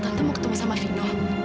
tante mau ketemu sama fino